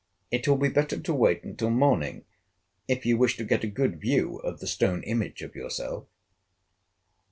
It will be better to wait until morning, if you wish to get a good view of the stone image of yourself."